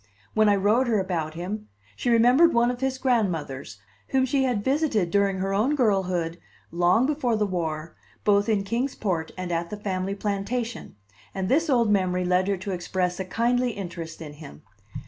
When I wrote her about him, she remembered one of his grandmothers whom she had visited during her own girlhood, long before the war, both in Kings Port and at the family plantation; and this old memory led her to express a kindly interest in him.